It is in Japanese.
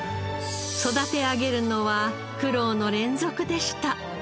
育て上げるのは苦労の連続でした。